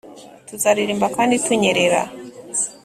tuzaririmba kandi tunyerera